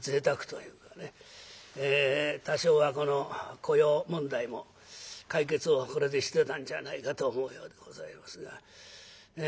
多少はこの雇用問題も解決をこれでしてたんじゃないかと思うようでございますが。